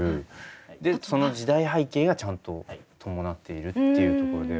その時代背景がちゃんと伴っているっていうところで。